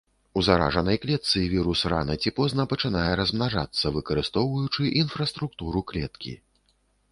У заражанай клетцы вірус рана ці позна пачынае размнажацца, выкарыстоўваючы інфраструктуру клеткі.